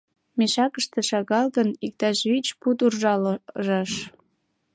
Мешакыште, шагал гын, иктаж вич пуд уржа ложаш.